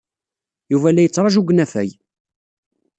Yuba la yettṛaju deg unafag.